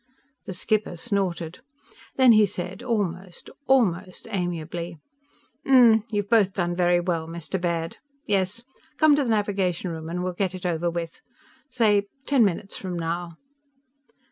The skipper snorted. Then he said almost almost amiably; "Hm m m. You've both done very well, Mr. Baird. Yes. Come to the navigation room and we'll get it over with. Say ten minutes from now."